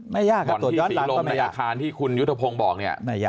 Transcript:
ไม่ยากหมอนที่ศีลมนาฬคารที่คุณยุตโภงบอกเนี่ย